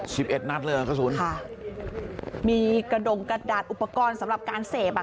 สิบเอ็ดนัดเลยอ่ะกระสุนค่ะมีกระดงกระดาษอุปกรณ์สำหรับการเสพอ่ะ